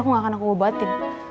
aku gak akan aku ngobatin